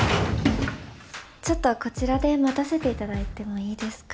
ちょっとこちらで待たせていただいてもいいですか？